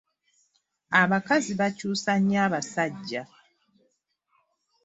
Abakazi bakyusa nnyo abasajja.